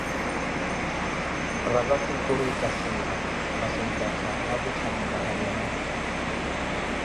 Raphassi khuri kâssila, maassi ontaka na kuthane vahaline?